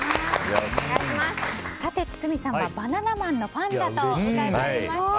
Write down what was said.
堤さんはバナナマンのファンだと伺いました。